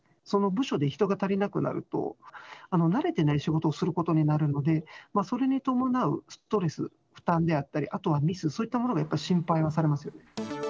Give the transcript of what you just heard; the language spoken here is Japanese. その部署で人が足りなくなると、慣れてない仕事をすることになるので、それに伴うストレス、負担であったり、あとはミス、そういったものがやっぱり心配がされます。